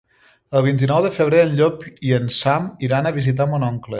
El vint-i-nou de febrer en Llop i en Sam iran a visitar mon oncle.